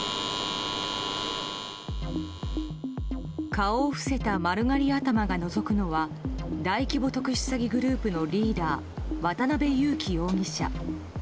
顔を伏せた丸刈り頭がのぞくのは大規模特殊詐欺グループのリーダー、渡辺優樹容疑者。